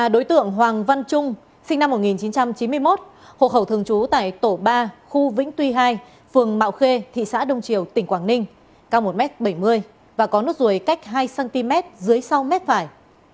đối tượng hoàng văn trung sinh năm một nghìn chín trăm chín mươi một hộ khẩu thường trú tại tổ ba khu vĩnh tuy hai phường mạo khê thị xã đông triều tỉnh quảng ninh cao một m bảy mươi và có nốt ruồi cách hai cm dưới sau mép phải